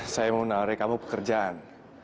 saya mau nari kamu pekerjaan